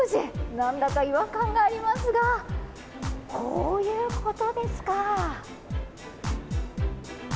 何だか違和感がありますがこういうことですか。